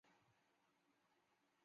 这一变故导致乔清秀精神失常。